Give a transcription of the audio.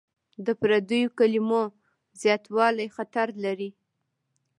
د پردیو کلمو زیاتوالی خطر لري.